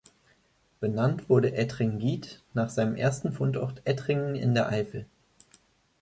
Benannt wurde Ettringit nach seinem ersten Fundort Ettringen in der Eifel.